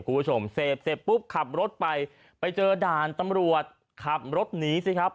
คุณผู้ชมเสพเสร็จปุ๊บขับรถไปไปเจอด่านตำรวจขับรถหนีสิครับ